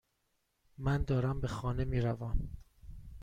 من دارم به خانه میروم.